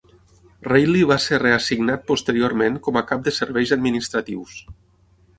Reiley va ser reassignat posteriorment com a cap de serveis administratius.